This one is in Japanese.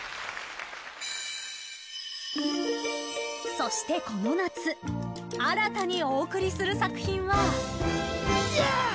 そしてこの夏新たにお送りする作品は。